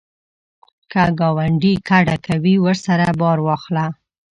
که ګاونډی کډه کوي، ورسره بار واخله